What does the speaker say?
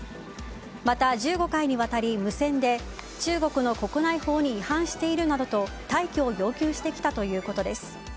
また、１５回にわたり無線で中国の国内法に違反しているなどと退去を要求してきたということです。